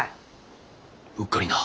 うっかりな。